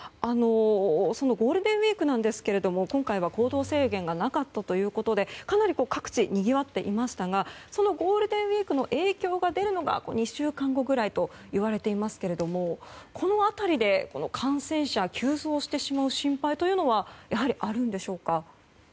ゴールデンウィークですが今回は行動制限がなかったということで各地ともにぎわっていましたがそのゴールデンウィークの影響が出るのが２週間後ぐらいといわれていますが、この辺りで感染者急増してしまう心配というのはあるんでしょうか？